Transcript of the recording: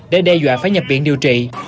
để đe dọa phải nhập viện điều trị